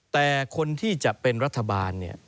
แต่คนที่จะเป็นรัฐบาลเนี่ย